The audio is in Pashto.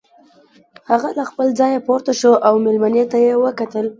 هغه له خپله ځايه پورته شو او مېلمنې ته يې وکتل.